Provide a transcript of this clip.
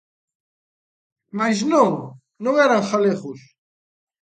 Mais non, non eran galegos.